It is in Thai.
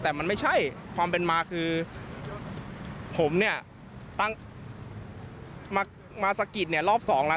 แต่มันไม่ใช่ความเป็นมาคือผมเนี่ยตั้งมาสะกิดเนี่ยรอบสองแล้ว